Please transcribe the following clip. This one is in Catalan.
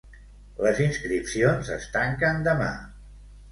Les inscripcions es tanquen demà.